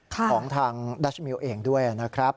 ของทางดัชมิลเองด้วยนะครับ